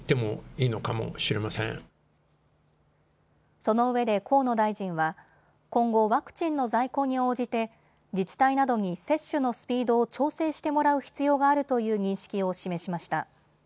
そのうえで河野大臣は今後、ワクチンの在庫に応じて自治体などに接種のスピードを調整してもらう必要があるという認識を示しました。